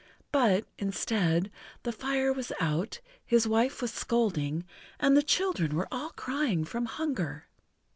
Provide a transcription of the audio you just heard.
But, instead, the fire was out, his wife was scolding, and the children were all crying from hunger.